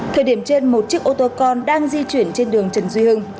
thời điểm trên một chiếc ô tô con đang di chuyển trên đường trần duy hưng